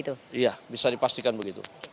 iya bisa dipastikan begitu